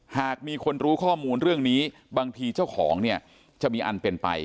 หากมีคนรู้ข้อมูลเรื่องนี้บางทีเจ้าของเนี่ยจะมีอันเป็นไป